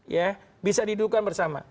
ya bisa didudukan bersama